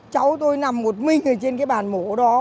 cháu tôi nằm một mình ở trên cái bàn mổ đó